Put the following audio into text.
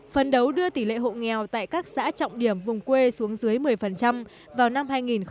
phân đấu đưa tỷ lệ hộ nghèo tại các xã trọng điểm vùng quê xuống dưới một mươi vào năm hai nghìn hai mươi